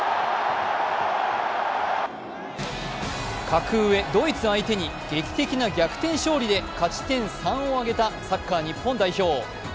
格上ドイツ相手に劇的な逆転勝利で勝ち点３を挙げたサッカー日本代表